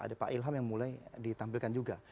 ada pak ilham yang mulai ditampilkan juga